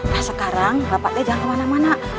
nah sekarang bapak teh jangan kemana mana